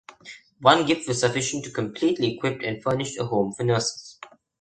One gift was sufficient to completely equip and furnish a home for nurses.